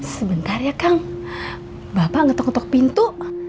sebentar ya kang bapak ngetuk ngetok pintu